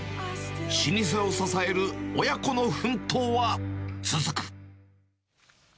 老舗を支える親子の奮闘は続く。